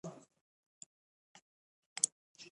جواهرات د افغانستان د طبعي سیسټم توازن ساتي.